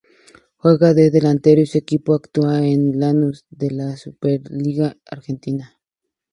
Juega de delantero y su equipo actual es Lanús, de la Superliga Argentina.